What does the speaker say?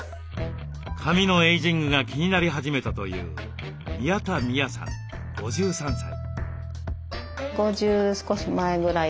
髪のエイジングが気になり始めたという宮田美弥さん５３歳。